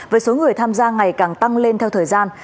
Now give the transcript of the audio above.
với số người tham gia ngày càng tăng lên theo thời gian